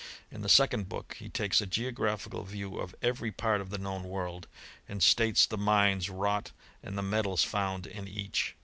In the second book he takes a geo graphical view of every part of the known world, and states the mines wrought and the metals found in each.